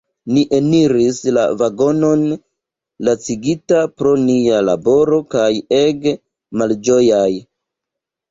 Ni eniris la vagonon lacigitaj pro nia laboro kaj ege malĝojaj.